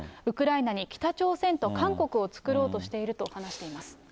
ウクライナに北朝鮮と韓国を作ろうとしていると話しています。